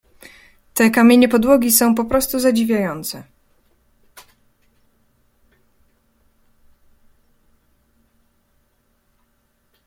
"Te kamienie podłogi są poprostu zadziwiające."